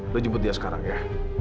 udah jemput dia sekarang ya